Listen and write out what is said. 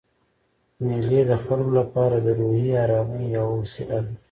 مېلې د خلکو له پاره د روحي آرامۍ یوه وسیله ده.